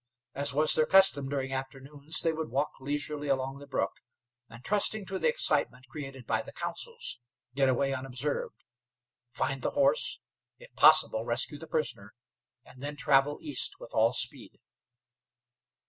As was their custom during afternoons, they would walk leisurely along the brook, and, trusting to the excitement created by the councils, get away unobserved. Find the horse, if possible rescue the prisoner, and then travel east with all speed.